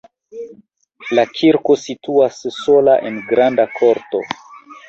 La kirko situas sola en granda korto.